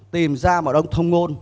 tìm ra một ông thông ngôn